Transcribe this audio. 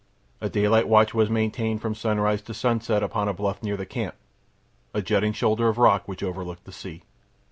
A daylight watch was maintained from sunrise to sunset upon a bluff near the camp—a jutting shoulder of rock which overlooked the sea.